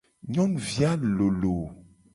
Nyonuvi a lolo.